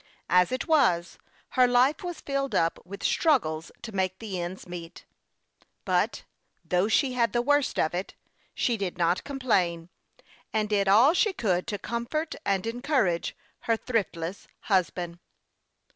As it was, her life was filled up with struggles to make the ends meet ; but, though she had the worst of it, she did not complain, and did all she could to comfort and encourage her thriftless husband.